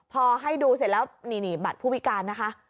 พอให้ดูเสร็จแล้วนี่บัตรผู้พิการนะคะ